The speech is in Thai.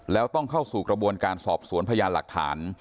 แล้วต้องเข้าสู่กระบวนการสอบสวนพยานหลักฐาน